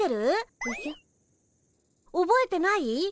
おぼえてない？